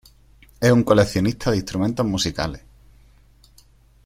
Es un coleccionista de instrumentos musicales.